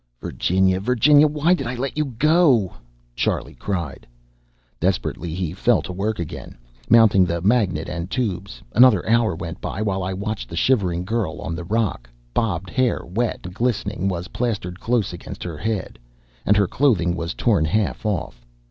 "Virginia! Virginia! Why did I let you go?" Charlie cried. Desperately he fell to work again, mounting the magnet and tubes. Another hour went by, while I watched the shivering girl on the rock. Bobbed hair, wet and glistening, was plastered close against her head, and her clothing was torn half off.